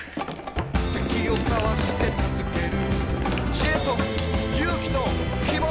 「敵をかわして助ける」「知恵と勇気と希望と」